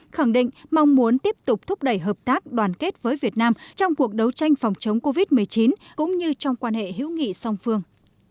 khẳng định mong muốn tiếp tục thúc đẩy hợp tác đoàn kết với việt nam trong cuộc đấu tranh phòng chống covid một mươi chín cũng như trong quan hệ hữu nghị song phương